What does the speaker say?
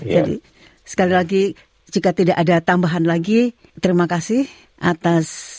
jadi sekali lagi jika tidak ada tambahan lagi terima kasih atas